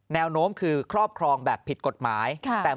แนวโน้มคือครอบครองแบบผิดกฎหมาย